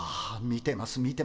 見てます